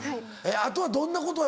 あとはどんなこと？